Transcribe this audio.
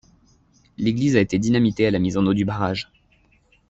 L'église a été dynamitée à la mise en eau du barrage.